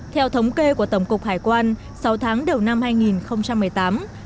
theo thống kê của tổng cục hải quan sáu tháng đầu năm hai nghìn một mươi tám